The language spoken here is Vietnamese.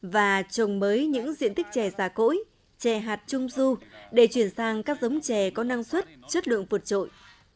và trồng mới những diện tích trẻ già cỗi trẻ hạt trung du để chuyển sang các giống trẻ có năng suất chất lượng vượt trội